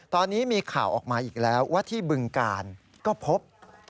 ตอนนี้มีข่าวออกมาอีกแล้วว่าที่บึงกาลก็พบ